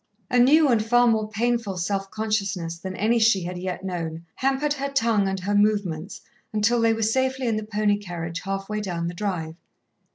A new, and far more painful self consciousness than any she had yet known, hampered her tongue and her movements, until they were safely in the pony carriage half way down the drive.